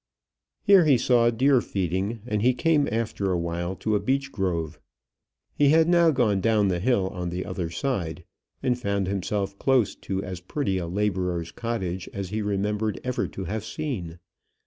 Here he saw deer feeding, and he came after a while to a beech grove. He had now gone down the hill on the other side, and found himself close to as pretty a labourer's cottage as he remembered ever to have seen.